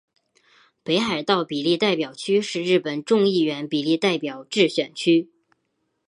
北海道比例代表区是日本众议院比例代表制选区。